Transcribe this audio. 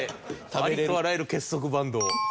ありとあらゆる結束バンドを。